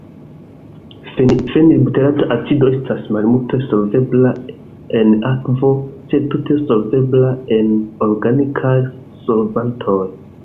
Fenilbuterata acido estas malmulte solvebla en akvo, sed tute solvebla en organikaj solvantoj.